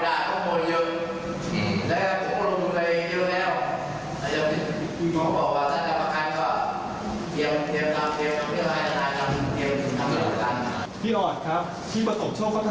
ว่าอยากถามพี่ออดเหมือนกัน